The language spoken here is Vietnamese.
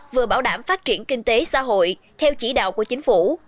vừa bảo đảm phát triển kinh tế xã hội theo chỉ đạo của chính phủ